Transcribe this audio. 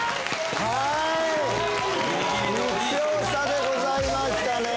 はい１票差でございましたね。